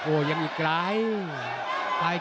โอ้ยังอีกร้าย